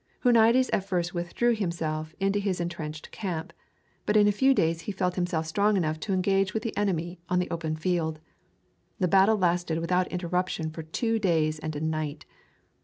Huniades at first withdrew himself into his intrenched camp, but in a few days felt himself strong enough to engage with the enemy on the open field. The battle lasted without interruption for two days and a night.